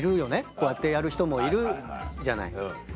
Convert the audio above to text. こうやってやる人もいるじゃない。